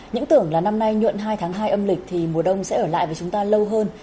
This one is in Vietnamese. những tưởng là năm nay nhuộn hai tháng hai âm lịch thì mùa đông sẽ ở lại với chúng ta lâu hơn